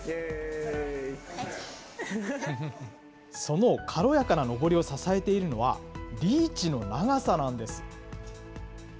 その軽やかな登りを支えているのは、リーチの長さなんです。